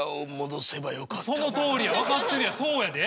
そのとおりやわかってるやんそうやで。